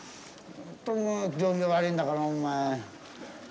本当にもう、行儀悪いんだから、お前。